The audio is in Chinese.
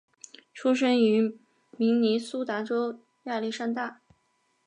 出生于明尼苏达州亚历山大。